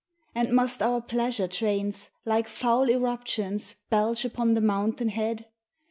And must our pleasure trains Like foul eruptions belch upon the mountain head?